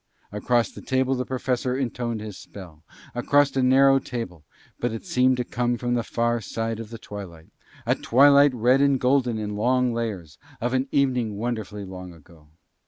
Across the table the Professor intoned his spell, across a narrow table, but it seemed to come from the far side of the twilight, a twilight red and golden in long layers, of an evening wonderfully long ago.